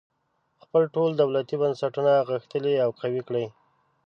خپل ټول دولتي بنسټونه غښتلي او قوي کړي.